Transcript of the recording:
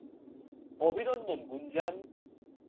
অভিনন্দন, গুঞ্জান!